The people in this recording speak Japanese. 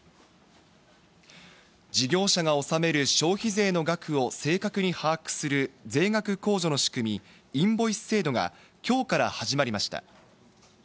事業者が納める消費税の額を正確に把握する税額控除の仕組み、インボイス制度がきょうから始まりました。